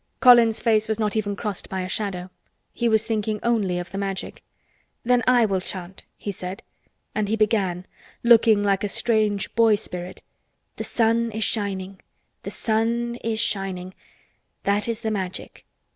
Colin's face was not even crossed by a shadow. He was thinking only of the Magic. "Then I will chant," he said. And he began, looking like a strange boy spirit. "The sun is shining—the sun is shining. That is the Magic.